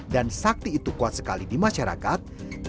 dan sakti itu kuat sekali di masyarakat